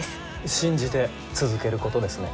信じて続けることですね。